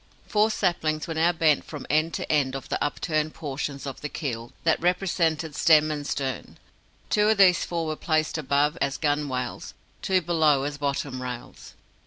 Four saplings were now bent from end to end of the upturned portions of the keel that represented stem and stern. Two of these four were placed above, as gunwales; two below as bottom rails.